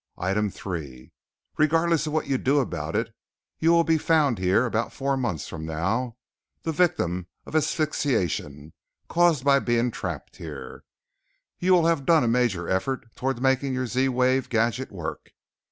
"Item Three: regardless of what you do about it, you will be found here about four months from now, the victim of asphyxiation, caused by being trapped here. You will have done a major effort toward making your Z wave gadget work.